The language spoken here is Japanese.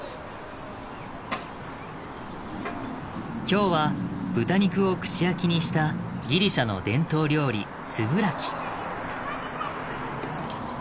今日は豚肉を串焼きにしたギリシャの伝統料理スブラキ。